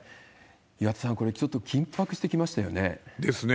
岩田さん、これ、ちょっと緊迫してきましたよね。ですね。